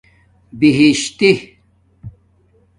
بہشتی